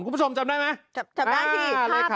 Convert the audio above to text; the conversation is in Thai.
คุณผู้ชมจำได้ไหม